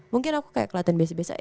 mungkin aku kayak keliatan biasa biasa